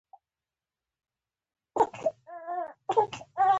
د ورځني تازه معلوماتو او نورو مفصلو تحلیلونو لپاره،